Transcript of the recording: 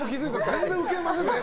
全然、ウケませんね。